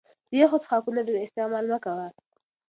د يخو څښاکونو ډېر استعمال مه کوه